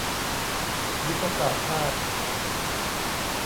ยุทธศาสตร์ชาติ